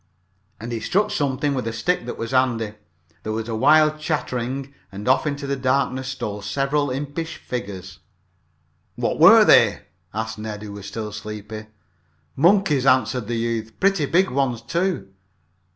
And he struck something with a stick that was handy. There was a wild chattering and off into the darkness stole several impish figures. "What were they?" asked Ned, who was still sleepy. "Monkeys," answered the youth, "Pretty big ones, too."